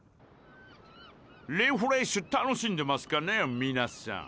リフレッシュ楽しんでマスかねぇ皆さん。